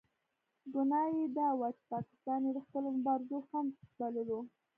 ګناه یې دا وه چې پاکستان یې د خپلو مبارزو خنډ بللو.